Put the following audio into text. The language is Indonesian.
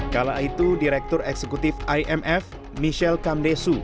kala itu direktur eksekutif imf michel camdessou